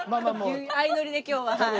相乗りで今日ははい。